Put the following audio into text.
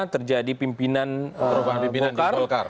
terjadi pimpinan golkar